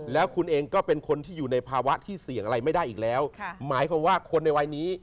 แล้วคุณเองก็เป็นคนที่อยู่ในภาวะที่เสี่ยงอะไรไม่ได้อีกแล้วหมายความว่าคนในวัยนี้